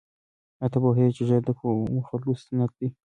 آیا ته پوهېږې چې ږیره د کومو خلکو سنت دی؟